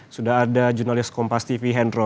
sudah ada jurnalis kompas tv hendro